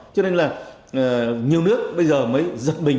cho nên là nhiều nước bây giờ mới giật mình